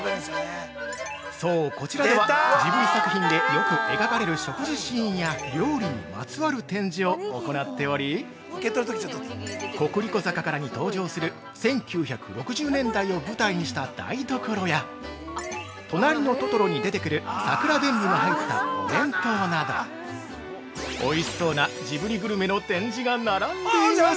◆そう、こちらではジブリ作品でよく描かれる食事シーンや料理にまつわる展示を行っており「コクリコ坂から」に登場する１９６０年代を舞台にした台所や「となりのトトロ」に出てくる桜でんぶが入ったお弁当などおいしそうなジブリグルメの展示が並んでいます。